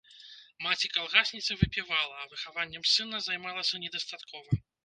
Маці-калгасніца выпівала, а выхаваннем сына займалася недастаткова.